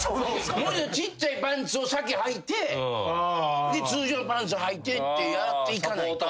ちっちゃいパンツを先はいて通常パンツはいてってやっていかないと。